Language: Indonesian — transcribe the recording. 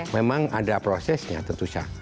memang ada prosesnya tentu saja